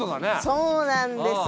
そうなんです。